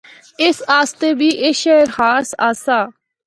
اس آسطے بھی اے شہر خاص آسا۔